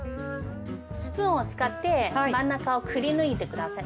スプーンを使って、真ん中をくりぬいてください。